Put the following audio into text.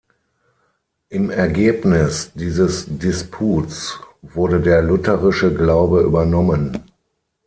Im Ergebnis dieses Disputs wurde der lutherische Glaube übernommen.